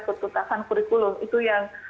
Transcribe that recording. ketutupan kurikulum itu yang